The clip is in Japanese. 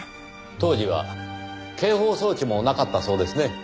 当時は警報装置もなかったそうですね。